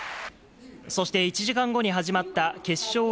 そして１時間後に始まった決勝